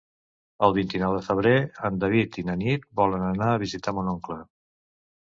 El vint-i-nou de febrer en David i na Nit volen anar a visitar mon oncle.